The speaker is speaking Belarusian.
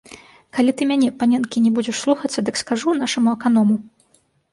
Калі ты мяне, паненкі, не будзеш слухацца, дык скажу нашаму аканому.